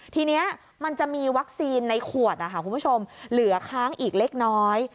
ทีนี้มันจะมีวัคซีนในขวดเหลือค้างอีกเล็กน้อย